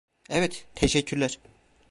Evet, teşekkürler.